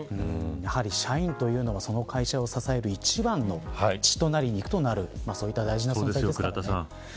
やはり社員というのはその会社を支える一番の血となり肉となる大事なものですから。